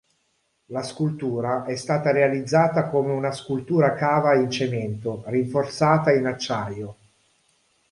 La scultura è stata realizzata come una scultura cava in cemento, rinforzata in acciaio.